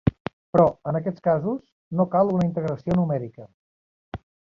Però en aquests casos no cal una integració numèrica.